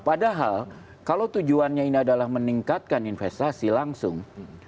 padahal kalau tujuannya ini adalah meningkatkan investasi langsung